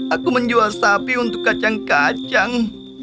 aku menjual sapi untuk kacang kacang